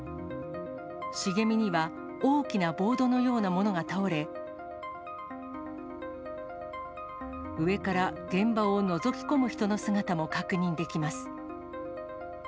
茂みには、大きなボードのようなものが倒れ、上から現場をのぞき込む人の姿も確認できます。